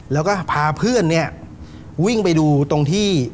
แล้วก็พาเพื่อนเนี่ยวิ่งไปดูตรงที่